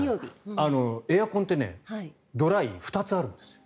エアコンってドライ２つあるんです。